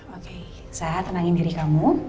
oke sehat tenangin diri kamu